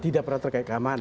tidak pernah terkait keamanan